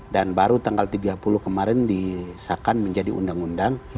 dan baru tanggal tiga puluh kemarin disakan menjadi undang undang